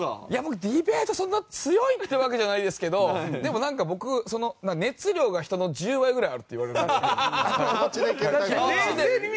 いや僕ディベートそんな強いってわけじゃないですけどでもなんか僕熱量が人の１０倍ぐらいあるって言われるんですよ。